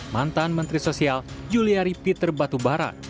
mantan menteri sosial juliari peter batubara